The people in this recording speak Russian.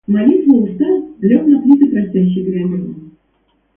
Молитва у рта, — лег на плиты просящ и грязен он.